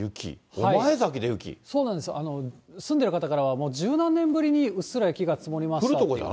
そうなんですよ、住んでる方からはもう十何年ぶりにうっすら雪が積もりましたって。